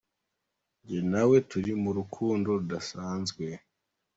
Njye na we turi mu rukundo rudasanzwe.